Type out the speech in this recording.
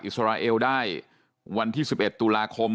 อิสราเอลได้วันที่๑๑ตุลาคม